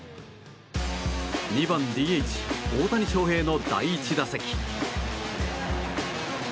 ２番ＤＨ大谷翔平の第１打席。